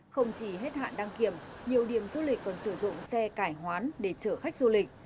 không chỉ hết hạn đăng kiểm nhiều điểm du lịch còn sử dụng xe cải hoán để chở khách du lịch